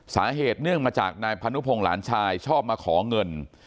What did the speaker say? สาเหตุเนื่องมาจากนายพนุพงหลานชายชอบมาขอเงิน